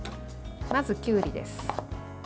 まず、きゅうりです。